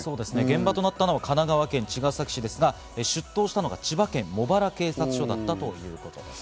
現場となったのは神奈川県茅ヶ崎市ですが出頭したのは千葉県の茂原警察署だったということですね。